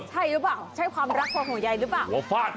ใช่หรือเปล่าใช่ความรักความห่วงใยหรือเปล่า